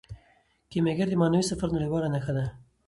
کیمیاګر د معنوي سفر نړیواله نښه ده.